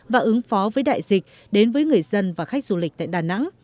và ứng phó với đại dịch đến với người dân và khách du lịch tại đà nẵng